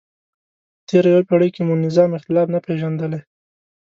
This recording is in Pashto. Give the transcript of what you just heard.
په تېره یوه پیړۍ کې مو نظام اختلاف نه پېژندلی.